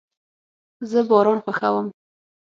زه باران خوښوم